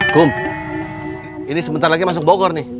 kum ini sebentar lagi masuk bogor nih